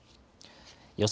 予想